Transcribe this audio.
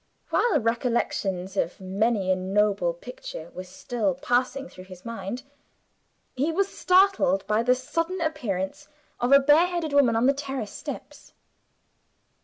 While recollections of many a noble picture were still passing through his mind, he was startled by the sudden appearance of a bareheaded woman on the terrace steps.